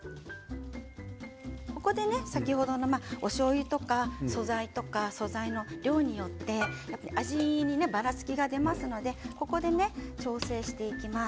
ここで先ほどのおしょうゆとか素材とか素材の量によって味にばらつきが出ますのでここで調整していきます。